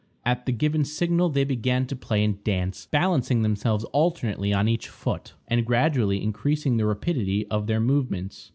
At the given signal they began to play and dance, balancing themselves alternately on each foot, and gradually increasing the rapidity of their movements.